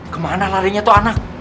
kemana larinya tuh anak